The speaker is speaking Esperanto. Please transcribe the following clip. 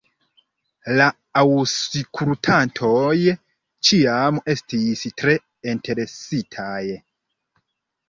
La aŭskultantoj ĉiam estis tre interesitaj.